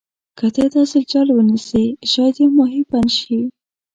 که ته دا ځل جال ونیسې شاید یو ماهي بند شي.